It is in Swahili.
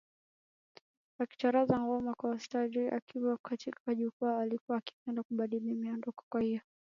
akicharaza ngoma kwa ustadi Wakati akiwa katika jukwaa alikuwa akipenda kubadili miondoko Kwa hiyo